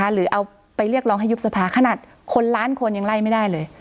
หรือเอาไปเรียกร้องให้ยุบสภาขนาดคนล้านคนยังไล่ไม่ได้เลย